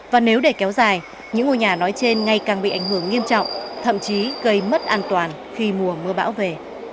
và nếu để kéo dài những ngôi nhà nói trên ngay càng bị ảnh hưởng nghiêm trọng thậm chí gây mất an toàn khi mùa mưa bão về